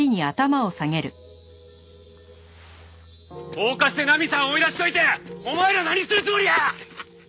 放火してナミさん追い出しといてお前ら何するつもりや！